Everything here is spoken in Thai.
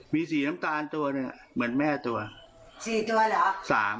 มีสีน้ำตาลตัวเนี่ยเหมือนแม่ตัว๔ตัวเหรอ